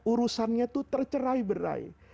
urusannya itu tercerai berai